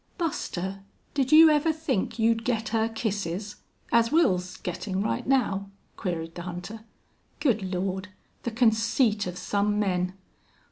"Buster, did you ever think you'd get her kisses as Wils's gettin' right now?" queried the hunter. "Good Lord! the conceit of some men!...